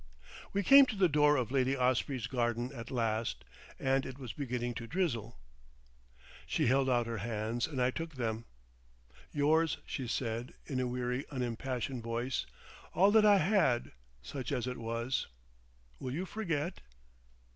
We came to the door of Lady Osprey's garden at last, and it was beginning to drizzle. She held out her hands and I took them. "Yours," she said, in a weary unimpassioned voice; "all that I had—such as it was. Will you forget?"